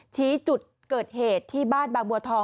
ชี้จุดเกิดเหตุที่บ้านบางบัวทอง